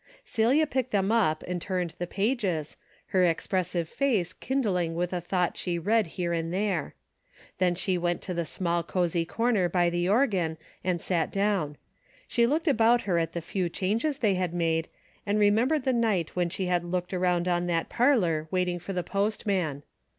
Celia picked them up and turned the pages, her expressive face kindling with a thought she read here and there. Then she went to the small cozy corner by the organ and sat down. She looked about her at the few changes they had made, and remembered the night when she had looked around on that parlor waiting for the postman.